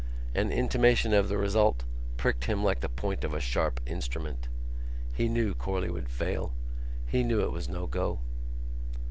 An intimation of the result pricked him like the point of a sharp instrument. He knew Corley would fail; he knew it was no go.